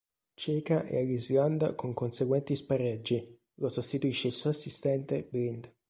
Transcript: Ceca e all'Islanda con conseguenti spareggi; lo sostituisce il suo assistente Blind.